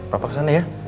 pak kesana ya